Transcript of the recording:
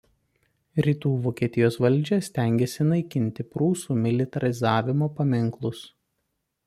Rytų Vokietijos valdžia stengėsi naikinti prūsų militarizmo paminklus.